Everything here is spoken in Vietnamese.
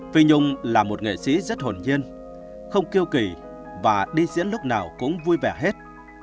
phi nhung là một nghệ sĩ rất hồn nhiên không kiêu kỳ và đi diễn lúc nào cũng vui vẻ hết